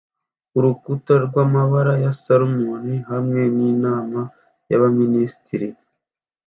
urukuta rwamabara ya salmon hamwe ninama y'abaminisitiri